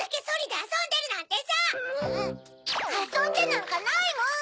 あそんでなんかないもん！